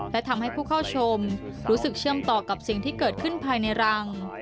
และทำให้ผู้เข้าชมรู้สึกเชื่อมต่อกับสิ่งที่เกิดขึ้นภายในรัง